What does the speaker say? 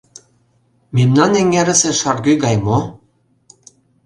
— Мемнан эҥерысе шаргӱ гай мо?